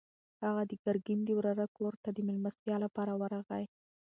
هغه د ګرګین د وراره کور ته د مېلمستیا لپاره ورغی.